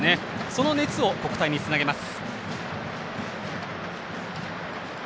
その熱を国体につなげます。